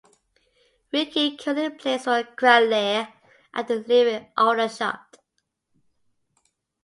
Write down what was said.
Ricky currently plays for Cranleigh after leaving Aldershot.